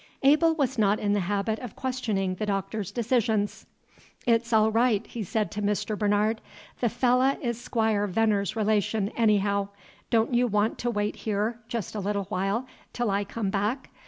Abel was not in the habit of questioning the Doctor's decisions. "It's all right," he said to Mr. Bernard. "The fellah 's Squire Venner's relation, anyhaow. Don't you want to wait here, jest a little while, till I come back?